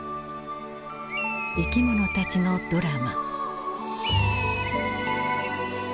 生きものたちのドラマ。